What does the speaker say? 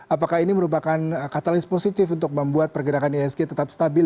apakah ini merupakan katalis positif untuk membuat pergerakan ihsg tetap stabil